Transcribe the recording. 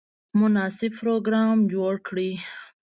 مناسب پروګرام جوړ کړي.